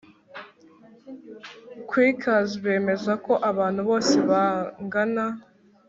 Quakers bemeza ko abantu bose bangana